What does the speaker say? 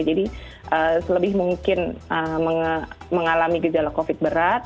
jadi selebih mungkin mengalami gejala covid berat